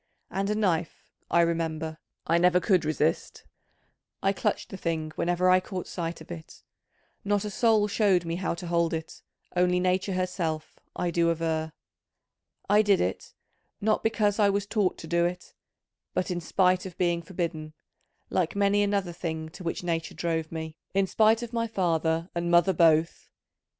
And a knife, I remember, I never could resist: I clutched the thing whenever I caught sight of it: not a soul showed me how to hold it, only nature herself, I do aver. I did it, not because I was taught to do it, but in spite of being forbidden, like many another thing to which nature drove me, in spite of my father and mother both.